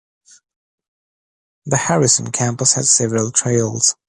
The Harrison campus has several trails.